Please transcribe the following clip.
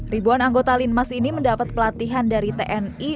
ribuan anggota lintas polres tabandung ini mendapat pelatihan dari tni